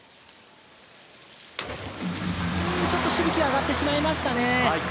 ちょっとしぶきが上がってしまいましたね。